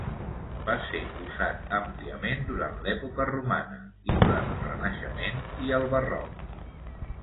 Va ser usat àmpliament durant l'època romana i durant el Renaixement i el Barroc.